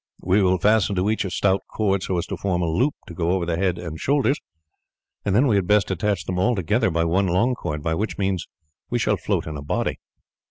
We will fasten to each a stout cord so as to form a loop to go over the head and shoulders, then we had best attach them all together by one long cord, by which means we shall float in a body."